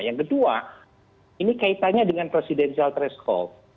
yang kedua ini kaitannya dengan presidensial threshold